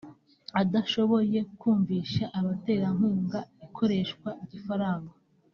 adashoboye kumvisha abaterankunga ikoreshwa ry’amafaranga